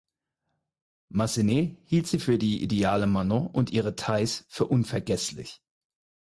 Massenet hielt sie für die ideale Manon und ihre Thais für unvergesslich.